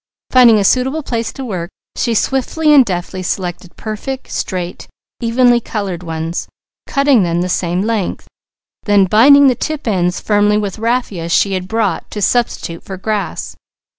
Finding a suitable place to work, she swiftly and deftly selected perfect, straight evenly coloured ones, cutting them the same length, then binding the tip ends firmly with raffia she had brought to substitute for grass.